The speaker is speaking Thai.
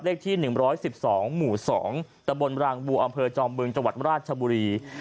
เลขที่๑๑๒หมู่๒ตะบลรังบูร์อำเภอจอมเบิงจราชบุรี